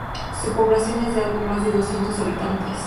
Su población es de algo más de doscientos habitantes.